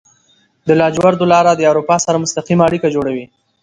د لاجوردو لاره د اروپا سره مستقیمه اړیکه جوړوي.